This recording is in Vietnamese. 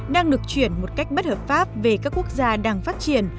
đang được chuyển một cách bất hợp pháp về các quốc gia đang phát triển